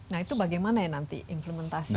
nah itu bagaimana ya nanti implementasinya